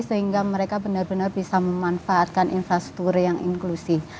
sehingga mereka benar benar bisa memanfaatkan infrastruktur yang inklusif